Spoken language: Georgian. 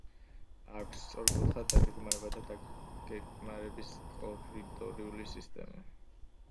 აქვს სწორკუთხა დაგეგმარება და დაგეგმარების კორიდორული სისტემა.